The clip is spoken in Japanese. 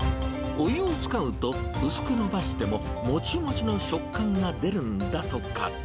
お湯を使うと、薄く伸ばしてももちもちの食感が出るんだとか。